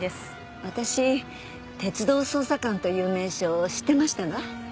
私鉄道捜査官という名称知ってましたが？